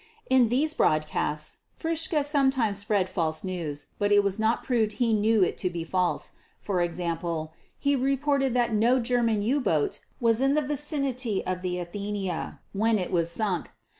In these broadcasts Fritzsche sometimes spread false news, but it was not proved he knew it to be false. For example, he reported that no German U boat was in the vicinity of the Athenia when it was sunk.